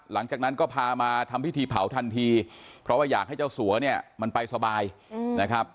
หลังจากนั้นก็พามาทำพิธีเผาทันทีเพราะว่าอยากให้เจ้าสัวเนี่ยมันไปสบายนะครับ